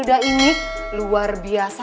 hilda ini luar biasa